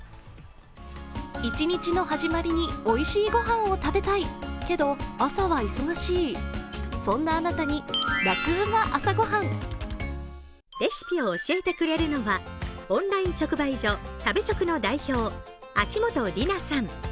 一日の始まりにおいしい御飯を食べたい、けど、朝は忙しい、そんなあなたに「ラクうま！朝ごはん」レシピを教えてくれるのは、オンライン直売所・食べチョクの代表、秋元里奈さん。